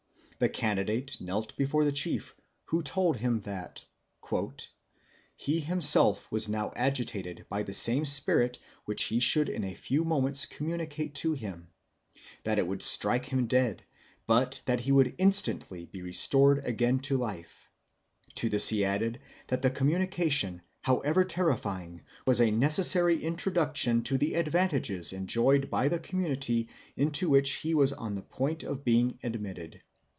The candidate knelt before the chief, who told him that "he himself was now agitated by the same spirit which he should in a few moments communicate to him; that it would strike him dead, but that he would instantly be restored again to life; to this he added, that the communication, however terrifying, was a necessary introduction to the advantages enjoyed by the community into which he was on the point of being admitted.